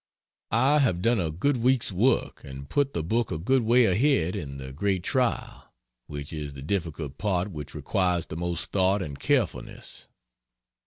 I have done a good week's work and put the book a good way ahead in the Great Trial, which is the difficult part which requires the most thought and carefulness.